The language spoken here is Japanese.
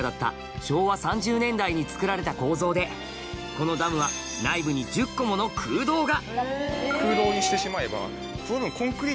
このダムは内部に１０個もの空洞ができて。